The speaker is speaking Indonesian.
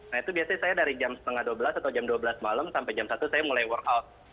nah itu biasanya saya dari jam setengah dua belas atau jam dua belas malam sampai jam satu saya mulai workout